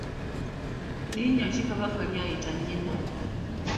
Linnya ki Kabaka ly’ayita nnyina?